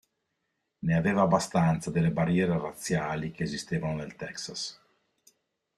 Ne aveva abbastanza delle barriere razziali che esistevano nel Texas.